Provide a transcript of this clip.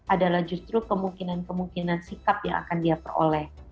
adalah justru kemungkinan kemungkinan sikap yang akan dia peroleh